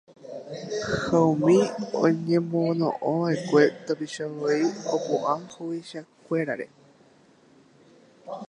ha umi oñemono'õva'ekue tapicha voi opu'ã huvichakuérare